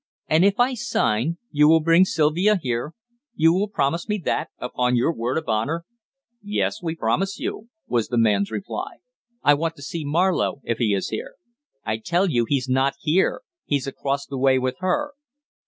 "And if I sign, you will bring Sylvia here? You will promise me that upon your word of honour?" "Yes, we promise you," was the man's reply. "I want to see Marlowe, if he is here." "I tell you he's not here. He's across the way with her."